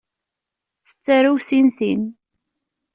Tettarew sin sin.